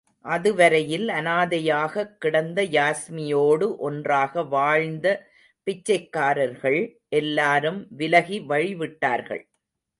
அதுவரையில் அனாதையாகக் கிடந்த யாஸ்மியோடு ஒன்றாக வாழ்ந்த பிச்சைக் காரர்கள் எல்லாரும் விலகி வழிவிட்டார்கள்.